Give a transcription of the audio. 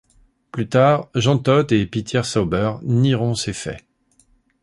Plus tard, Jean Todt et Peter Sauber nieront ces faits.